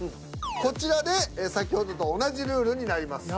こちらで先ほどと同じルールになります。